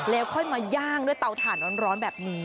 แล้วค่อยมาย่างด้วยเตาถ่านร้อนแบบนี้